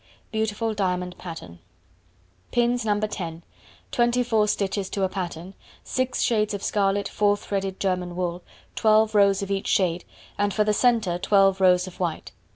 Beautiful Diamond Pattern. Pins No. 10; 24 stitches to a pattern; 6 shades of scarlet four threaded German wool, 12 rows of each shade, and for the centre, 12 rows of white.